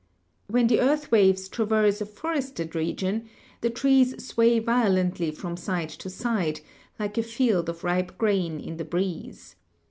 When the earth waves traverse a forested region, the trees sway violently from side to DIASTROPHISM 105 side, like a field of ripe grain in the breeze.